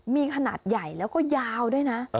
มีขนาดใหญ่แล้วก็ยาวด้วยนะ